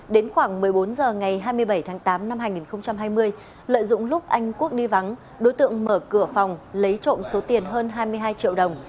đến khoảng một mươi bốn h ngày hai mươi bảy tháng tám năm hai nghìn hai mươi lợi dụng lúc anh quốc đi vắng đối tượng mở cửa phòng lấy trộm số tiền hơn hai mươi hai triệu đồng